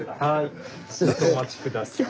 ちょっとお待ち下さい。